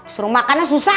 suruh makannya susah